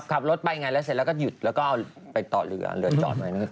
ขับรถไปไงแล้วเสร็จแล้วก็หยุดแล้วก็ไปตอบหรืออ่าเรือจอดเพียงมิคลิบ